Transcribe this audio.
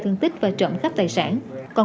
thương tích và trộm khắp tài sản còn